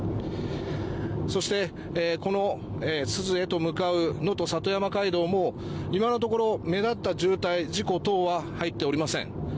そして、この珠洲へと向かうのと里山海道も今のところ目立った渋滞、事故等は確認されていません。